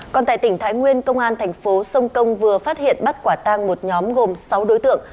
còn tại tỉnh thái nguyên công an thành phố sông công vừa phát hiện bắt quả tang một nhóm gồm sáu đối tượng